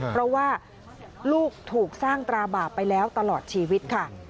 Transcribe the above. เพราะว่าลูกถูกสร้างตราบาปไปแล้วตลอดชีวิตค่ะ